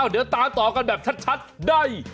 เดี๋ยวตามต่อกันแบบชัดได้